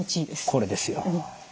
これですよ。